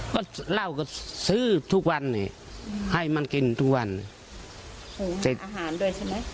ก็เหล้าก็ซื้อทุกวันนี่ให้มันกินทุกวันเสร็จอาหารด้วยใช่ไหม